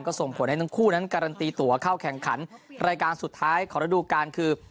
ส่งผลให้ทั้งคู่นั้นการันตีตัวเข้าแข่งขันรายการสุดท้ายของระดูการคือ